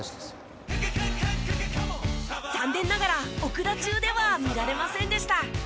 残念ながら奥田中では見られませんでした。